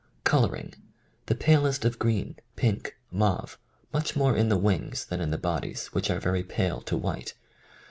Colouring: The palest of green, pink, mauve. Much more in the wings than in the bodies, which are very pale to white.